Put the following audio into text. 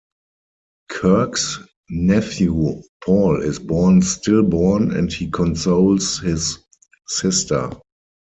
Kirk's nephew Paul is born stillborn and he consoles his sister.